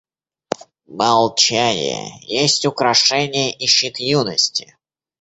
Молчание есть украшение и щит юности.